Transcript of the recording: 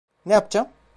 Ne yapacağım?